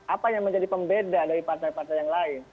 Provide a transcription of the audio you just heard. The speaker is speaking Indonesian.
apa yang menjadi pembeda dari partai partai yang lain